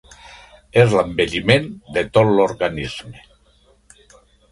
És l’envelliment de tot l’organisme.